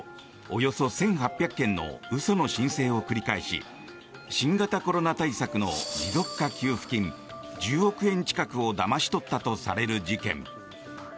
およそ１８００件の嘘の申請を繰り返し新型コロナ対策の持続化給付金１０億円近くをだまし取ったとされる事件。